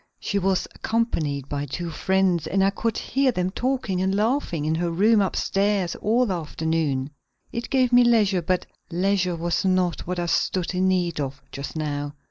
She was accompanied by two friends and I could hear them talking and laughing in her room upstairs all the afternoon. It gave me leisure, but leisure was not what I stood in need of, just now.